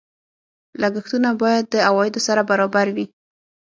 لګښتونه باید د عوایدو سره برابر وي.